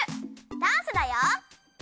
ダンスだよ。